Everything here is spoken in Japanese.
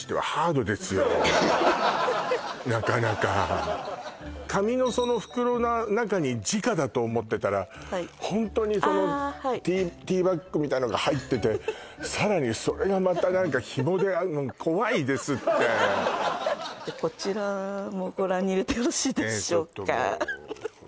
なかなか紙のその袋の中に直だと思ってたらホントにそのティーバッグみたいなのが入っててさらにそれがまた何かひもであのこちらもご覧に入れてよろしいでしょうかええ